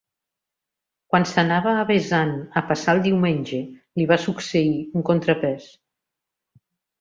Quan s'anava avesant a passar el diumenge, li va succeir un contrapès.